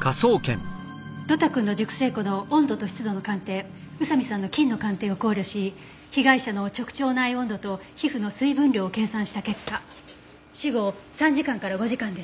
呂太くんの熟成庫の温度と湿度の鑑定宇佐見さんの菌の鑑定を考慮し被害者の直腸内温度と皮膚の水分量を計算した結果死後３時間から５時間でした。